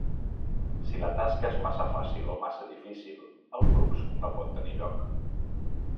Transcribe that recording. Si la tasca és massa fàcil o massa difícil, el flux no pot tenir lloc.